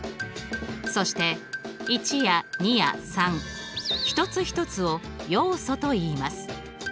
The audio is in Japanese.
そして１や２や３一つ一つを要素といいます。